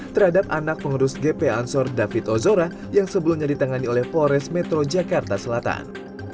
terhadap anak pengurus gp ansor david ozora yang sebelumnya ditangani oleh polres metro jakarta selatan